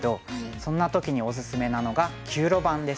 そんな時におすすめなのが９路盤です。